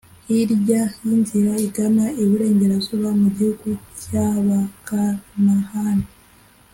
hirya y’inzira igana iburengerazuba mu gihugu cy’abakanahani